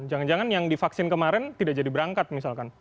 jangan jangan yang divaksin kemarin tidak jadi berangkat misalkan